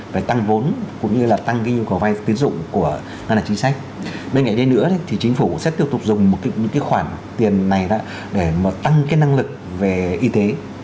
bên cạnh đấy nữa thì chính phủ sẽ tiếp tục dùng những khoản tiền này để tăng năng lực về y tế